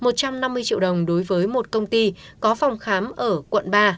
một trăm năm mươi triệu đồng đối với một công ty có phòng khám ở quận ba